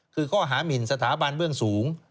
คือข้อหามินสถาบันเบื้องสูง